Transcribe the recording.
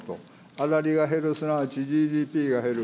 粗利が減る、すなわちＧＤＰが減る。